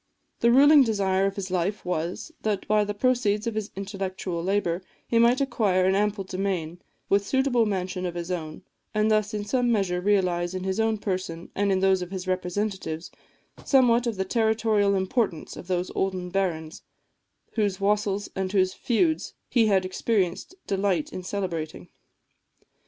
The ruling desire of his life was, that by the proceeds of his intellectual labour he might acquire an ample demesne, with a suitable mansion of his own, and thus in some measure realise in his own person, and in those of his representatives, somewhat of the territorial importance of those olden barons, whose wassails and whose feuds he had experienced delight in celebrating.